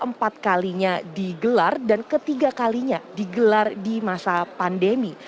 keempat kalinya digelar dan ketiga kalinya digelar di masa pandemi